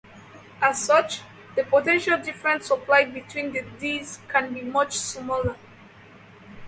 As such, the potential difference supplied between the dees can be much smaller.